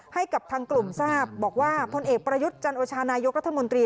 ให้กับทางกลุ่มทราบบอกว่าพลเอกประยุทธ์จันโอชานายกรัฐมนตรี